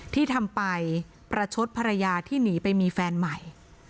ที่ทำไปประชดภรรยาที่หนีไปมีแฟนใหม่